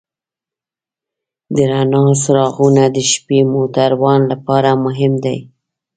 د رڼا څراغونه د شپې موټروان لپاره مهم دي.